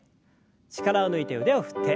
力を抜いて腕を振って。